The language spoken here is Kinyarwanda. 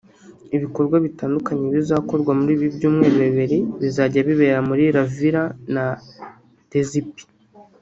Ibikorwa bitandukanye bizakorwa muri ibi byumweru bibiri bizajya bibera muri La Villa na De Zeyp